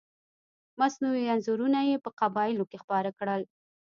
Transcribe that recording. مصنوعي انځورونه یې په قبایلو کې خپاره کړل.